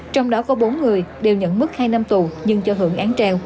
trong đó có bốn người đều nhận mức hai năm tù nhưng cho hưởng án treo